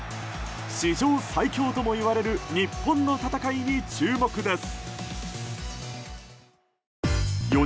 史上最強ともいわれる日本の戦いに注目です。